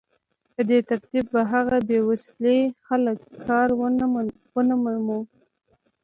په دې ترتیب به هغه بې وسيلې خلک کار ونه مومي